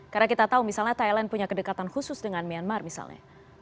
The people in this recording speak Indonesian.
karena kita tahu misalnya thailand punya kedekatan khusus dengan myanmar misalnya